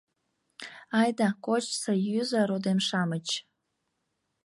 Айда, кочса-йӱза, родем-шамыч.